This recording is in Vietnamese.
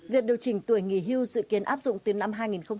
việc điều chỉnh tuổi nghỉ hưu dự kiến áp dụng từ năm hai nghìn hai mươi